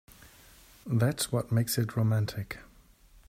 That's what makes it romantic.